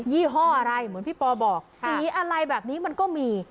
ี่ห้ออะไรเหมือนพี่ปอบอกสีอะไรแบบนี้มันก็มี